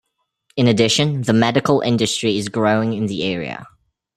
In addition, the medical industry is growing in the area.